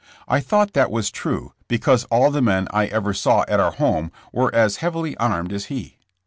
I thought that was true, because all the men I ever saw at our home were as heavily armed as he.